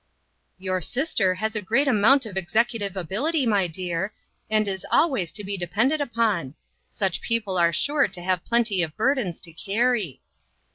"Your sister has a great amount of execu tive ability, my dear, and is always to be depended on. Such people are sure to have plenty of burdens to carry."